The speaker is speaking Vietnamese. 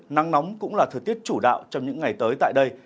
nắng nóng cũng là thời tiết chủ đạo trong những ngày tới tại đây